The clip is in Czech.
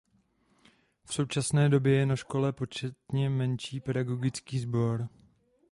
V současné době je na škole početně menší pedagogický sbor.